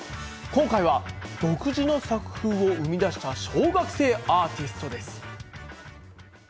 今回は、独自の作風を生み出した小学生アーティストです。